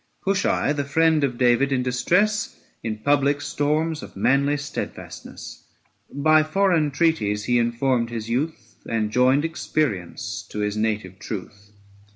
Hushai, the friend of David in distress, In public storms of manly stedfastness ; By foreign treaties he informed his youth 890 And joined experience to his native truth.